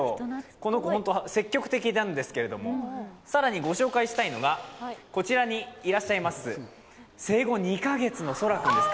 この子、積極的なんですけれども更にご紹介したのがこちらにいらっしゃいます生後２か月の、そら君です。